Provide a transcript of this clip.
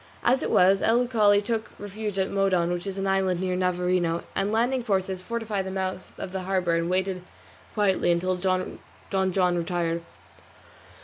As it was, El Uchali took refuge at Modon, which is an island near Navarino, and landing forces fortified the mouth of the harbour and waited quietly until Don John retired.